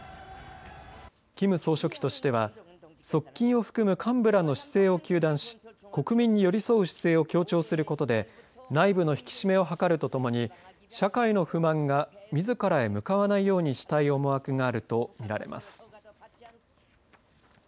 キム総書記としては側近を含む幹部らの姿勢を糾弾し国民に寄り添う姿勢を強調することで内部の引き締めを図るとともに社会の不満がみずからへ向かわないようにしたい思惑があると見られます。